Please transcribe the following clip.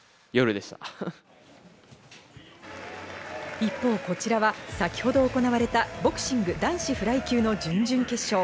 一方こちらは先ほど行われたボクシング男子フライ級の準々決勝。